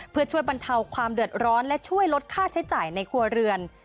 เพื่อช่วยบรรเทาความเดือดร้อนและช่วยลดค่าใช้จ่ายในครัวเรือน